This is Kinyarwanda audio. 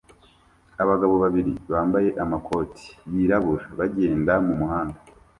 Abagabo babiri bambaye amakoti yirabura bagenda mumuhanda